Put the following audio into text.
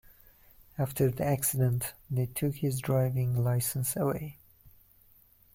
After the accident, they took his driving license away.